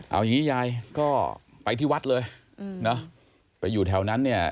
เอาอย่างนี้ยายก็ไปที่วัดเลยนะไปอยู่แถวนั้นเนี่ย